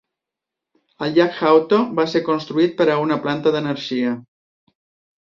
El llac Hauto va ser construït per a una planta d'energia.